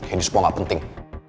ini semua gak penting